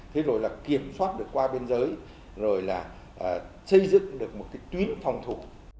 thế rồi là kiểm soát được qua biên giới rồi là xây dựng được một cái tuyến phòng thủ